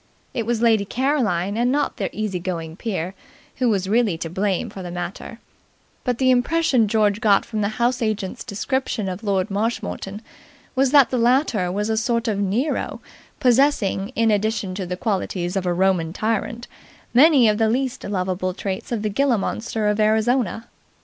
It was Lady Caroline, and not the easy going peer, who was really to blame in the matter; but the impression that George got from the house agent's description of Lord Marshmoreton was that the latter was a sort of Nero, possessing, in addition to the qualities of a Roman tyrant, many of the least lovable traits of the ghila monster of Arizona.